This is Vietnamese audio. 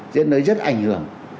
đến tới rất ảnh hưởng